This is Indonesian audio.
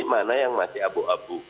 mana yang masih abu abu